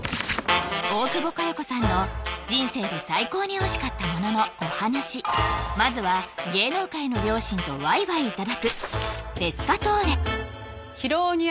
大久保佳代子さんの人生で最高においしかったもののお話まずは芸能界の両親とワイワイいただくペスカトーレ